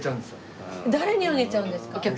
誰にあげちゃうんですか？